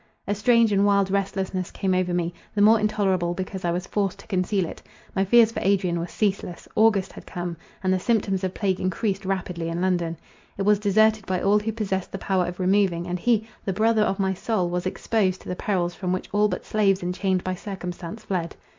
A strange and wild restlessness came over me—the more intolerable, because I was forced to conceal it. My fears for Adrian were ceaseless; August had come; and the symptoms of plague encreased rapidly in London. It was deserted by all who possessed the power of removing; and he, the brother of my soul, was exposed to the perils from which all but slaves enchained by circumstance fled.